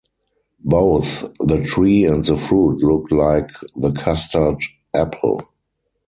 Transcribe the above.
Both the tree and the fruit look like the custard apple.